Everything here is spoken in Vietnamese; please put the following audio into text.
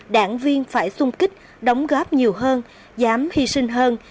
đảng viên phải sung kích đóng góp nhiều hơn dám hy sinh hơn